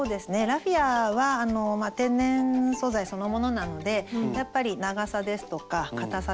ラフィアは天然素材そのものなのでやっぱり長さですとかかたさですとか